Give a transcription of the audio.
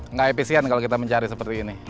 nggak efisien kalau kita mencari seperti ini